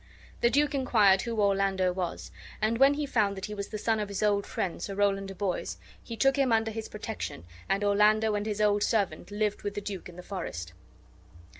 The duke inquired who Orlando was; and when he found that he was the son of his old friend, Sir Rowland de Boys, be took him under his protection, and Orlando and his old servant lived with the duke in the forest.